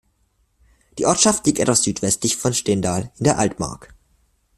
Die Ortschaft liegt etwas südwestlich von Stendal in der Altmark.